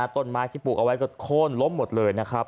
ต้นไม้ที่ปลูกเอาไว้ก็โค้นล้มหมดเลยนะครับ